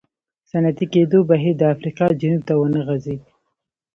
صنعتي کېدو بهیر د افریقا جنوب ته ونه غځېد.